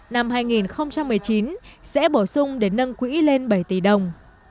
năm hai nghìn một mươi chín sẽ bổ sung để nâng quỹ lên bảy tỷ đồng